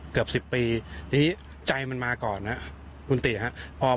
เกือบ๑๐ปีทีนี้ใจมันมาก่อนนะคุณติครับ